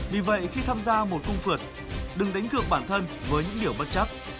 vì vậy khi tham gia một cung phượt đừng đánh cược bản thân với những điều bất chấp